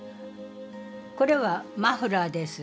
これはマフラーです。